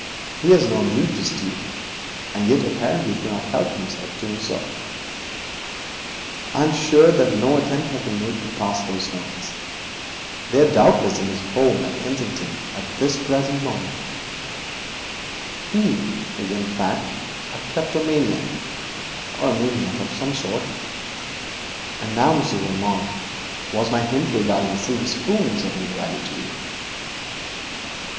He has no need to steal, and yet apparently cannot help doing so. I am sure that no attempt has been made to pass those notes. They are doubtless resting securely in his house at Kensington. He is, in fact, a kleptomaniac, or a maniac of some sort. And now, monsieur, was my hint regarding the silver spoons of any value to you?'